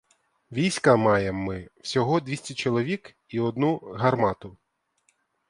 Війська маєм ми всього двісті чоловік і одну гармату.